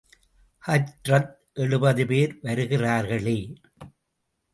ஹஜ்ரத், எழுபது பேர் வருகிறார்களே!